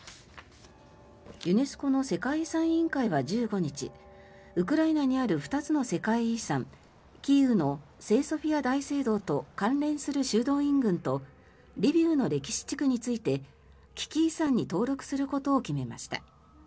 ユネスコの世界遺産委員会は１５日ウクライナにある２つの世界遺産キーウの聖ソフィア大聖堂と関連する修道院群とリビウの歴史地区について危機遺産に登録することを決めました。